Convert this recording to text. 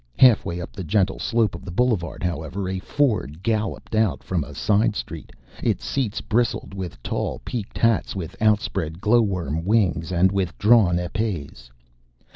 Halfway up the gentle slope of the boulevard, however, a Ford galloped out from a side street. Its seats bristled with tall peaked hats with outspread glowworm wings and with drawn épées.